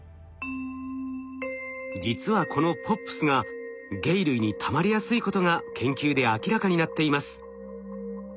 実はこのＰＯＰｓが鯨類にたまりやすいことが研究で明らかになっています。